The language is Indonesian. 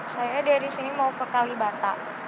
saya dari sini mau ke kalibata